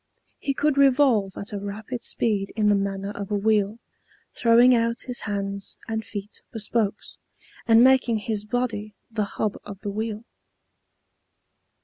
He could revolve at a rapid speed in the manner of a wheel, throwing out his hands and feet for spokes, and making his body the hub of the wheel.